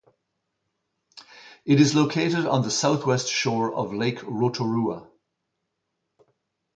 It is located on the southwest shore of Lake Rotorua.